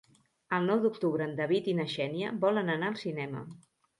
El nou d'octubre en David i na Xènia volen anar al cinema.